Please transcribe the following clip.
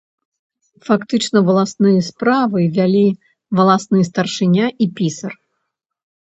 Фактычна валасныя справы вялі валасны старшыня і пісар.